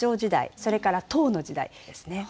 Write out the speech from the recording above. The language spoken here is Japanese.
それから唐の時代ですね。